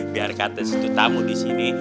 biarkan tersentuh tamu disini